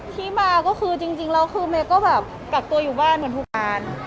ที่มาก็คือจริงจริงแล้วคือแม่ก็แบบกลับตัวอยู่บ้านเหมือนทุกบ้าน